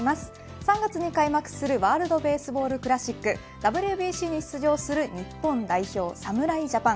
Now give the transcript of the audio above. ３月に開幕するワールド・ベースボール・クラシックＷＢＣに出場する日本代表侍ジャパン。